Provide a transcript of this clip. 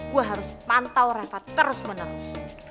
gue harus pantau refat terus menerus